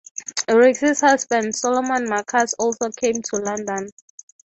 Rixi's husband, Salomon Markus, also came to London.